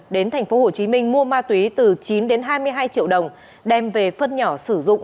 đến tp hcm mua ma túy từ chín đến hai mươi hai triệu đồng đem về phân nhỏ sử dụng